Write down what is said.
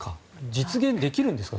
実現できるんですか？